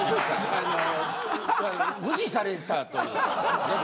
あの無視されたというか。